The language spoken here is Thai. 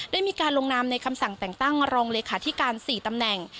ได้มีการลงนามในคำสั่งแต่งตั้งรองเลขาธิการ๔ตำแหน่ง